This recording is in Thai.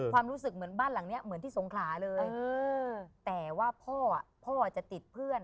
ความรู้สึกเหมือนบ้านหลังเนี้ยเหมือนที่สงขลาเลยแต่ว่าพ่อพ่อจะติดเพื่อน